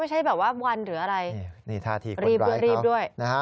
ไม่ใช่วันหรืออะไรรีบด้วยนี่ท่าทีคนร้ายครับ